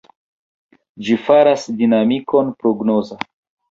Ĝi faras dinamikon prognoza.